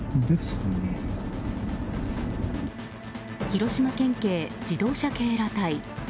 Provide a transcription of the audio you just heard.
広島県警自動車警ら隊。